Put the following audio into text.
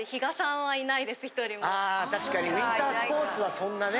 あ確かにウィンタースポーツはそんなね。ね！